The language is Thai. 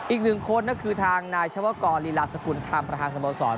อีกหนึ่งคนก็คือทางนายเฉพาะกรลีลาสกุลท่ามประหารสมบัติสอน